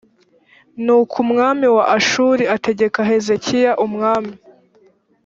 nuko umwami wa ashuri ategeka hezekiya umwami